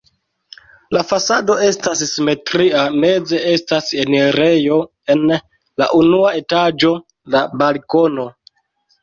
La fasado estas simetria, meze estas la enirejo, en la unua etaĝo la balkono.